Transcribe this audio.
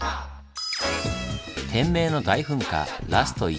天明の大噴火ラスト１日。